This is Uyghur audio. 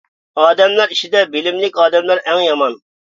ئادەملەر ئىچىدە بىلىملىك ئادەملەر ئەڭ يامان.